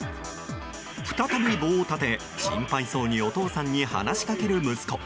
再び棒を立て、心配そうにお父さんに話しかける息子。